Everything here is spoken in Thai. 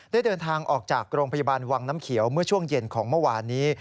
ได้เดินทางออกจากโรงพยาบาลวังน้ำเขียวเมื่อช่วงเย็นของเมื่อวานนี้